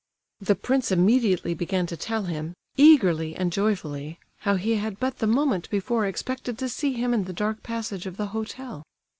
The prince immediately began to tell him, eagerly and joyfully, how he had but the moment before expected to see him in the dark passage of the hotel.